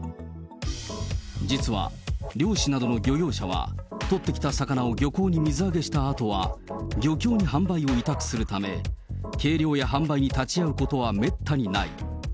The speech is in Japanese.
実は、漁師などの漁業者は取ってきた魚を漁港に水揚げしたあとは、漁協に販売を委託するため、計量や販売に立ち会うことはめったにない。